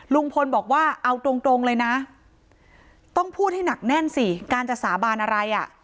ลุงพลบอกว่าเอาตรงเลยนะต้องพูดให้หนักแน่นสิการจะสาบานอะไรอ่ะ